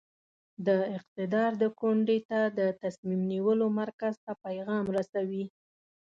د اقدار د کونډې ته د تصمیم نیولو مرکز ته پیغام رسوي.